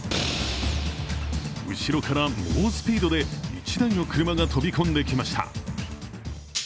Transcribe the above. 後ろから猛スピードで１台の車が飛び込んできました。